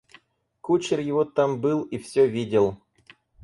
Кучер его там был и всё видел.